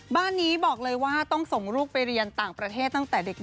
บ้านนี้บอกเลยว่าต้องส่งลูกไปเรียนต่างประเทศตั้งแต่เด็ก